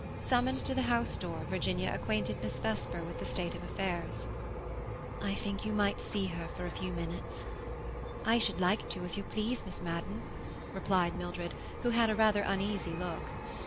Summoned to the house door, Virginia acquainted Miss Vesper with the state of affairs. "I think you might see her for a few minutes." "I should like to, if you please, Miss Madden," replied Mildred, who had a rather uneasy look.